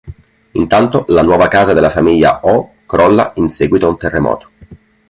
Intanto, la nuova casa della famiglia Oh crolla in seguito a un terremoto.